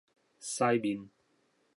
媠面